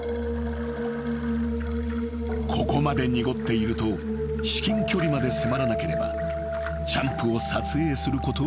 ［ここまで濁っていると至近距離まで迫らなければチャンプを撮影することは難しい］